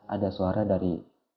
ada suara dari